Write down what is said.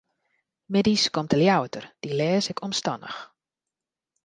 Middeis komt de Ljouwerter, dy lês ik omstannich.